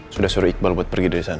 sudah suruh iqbal buat pergi dari sana